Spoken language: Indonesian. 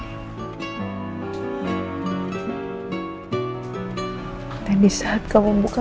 beberapa kasih kuda gak diignon masuk ke sana